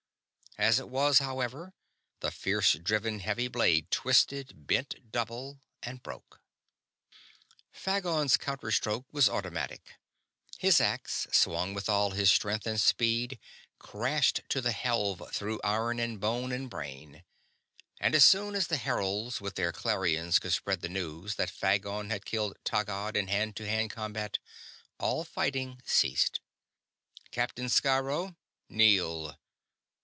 As it was, however, the fierce driven heavy blade twisted, bent double, and broke. Phagon's counter stroke was automatic. His axe, swung with all his strength and speed, crashed to the helve through iron and bone and brain; and, as soon as the heralds with their clarions could spread the news that Phagon had killed Taggad in hand to hand combat, all fighting ceased. "Captain Sciro, kneel!"